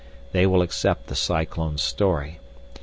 They will accept the cyclone story.